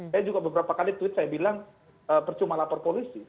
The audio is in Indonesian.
saya juga beberapa kali tweet saya bilang percuma lapor polisi